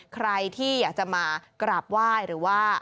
ใครที่อยากจะมากราบไหว้หรือว่า